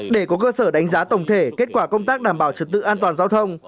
để có cơ sở đánh giá tổng thể kết quả công tác đảm bảo trật tự an toàn giao thông